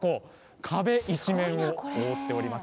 壁一面を覆っています。